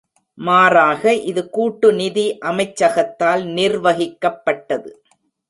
மாறாக, இது கூட்டு நிதி அமைச்சகத்தால் நிர்வகிக்கப்பட்டது.